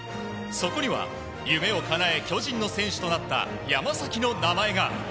そこには、夢をかなえ巨人の選手となった山崎の名前が。